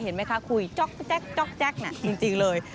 เห็นมั้ยคะคุยแจ๊กแจ๊กจริงเลย